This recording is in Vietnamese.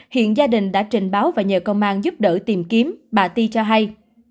hiện gia đình đã trình báo và nhờ công an giúp đỡ tìm kiếm bà ti cho hay